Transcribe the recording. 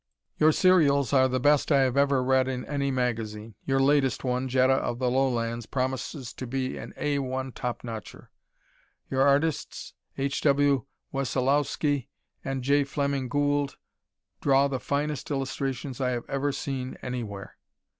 Your serials are the best I have ever read in any magazine; your latest one, "Jetta of the Lowlands," promises to be an A 1 top notcher. Your artists, H.W. Wessolowski and J. Fleming Gould, draw the finest illustrations I have ever seen anywhere.